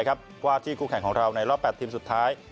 เกาะที่กลุ่มแขนของเราในรอบแปดทีมสุดท้าย